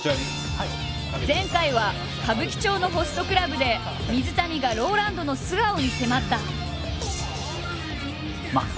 前回は歌舞伎町のホストクラブで水谷がＲＯＬＡＮＤの素顔に迫った。